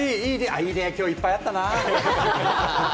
いい出会い、今日いっぱいあったな。